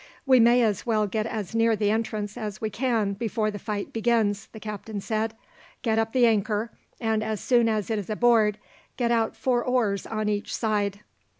"We may as well get as near the entrance as we can before the fight begins," the captain said. "Get up the anchor, and as soon as it is aboard, get out four oars on each side."